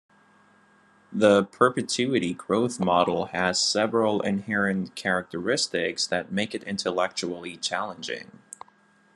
The Perpetuity Growth Model has several inherent characteristics that make it intellectually challenging.